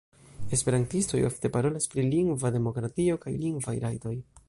Esperantistoj ofte parolas pri lingva demokratio kaj lingvaj rajtoj.